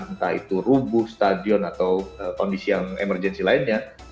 entah itu rubuh stadion atau kondisi yang emergensi lainnya